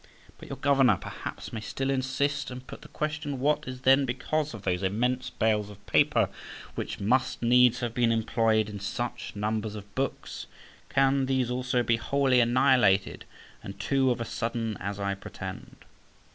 But your governor, perhaps, may still insist, and put the question, What is then become of those immense bales of paper which must needs have been employed in such numbers of books? Can these also be wholly annihilated, and to of a sudden, as I pretend?